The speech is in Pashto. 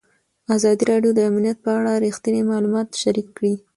ازادي راډیو د امنیت په اړه رښتیني معلومات شریک کړي.